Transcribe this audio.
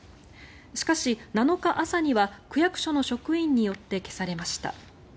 しかし、７日朝には区役所の職員によって消されました。